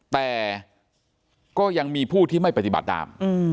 แต่ก็ยังมีผู้ที่ไม่ปฏิบัติตาม